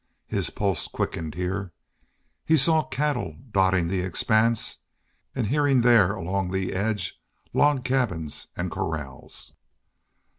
His pulses quickened here. He saw cattle dotting the expanse, and here and there along the edge log cabins and corrals.